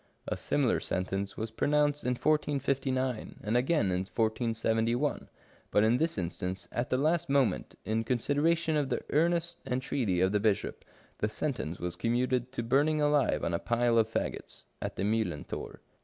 A similar sentence was pronounced in 1459, and again in 1471, but in this instance, at the last moment, in con sideration of the earnest entreaty of the bishop, the sentence was commuted to burning alive on a pile of faggots, at the Mijhlenthor.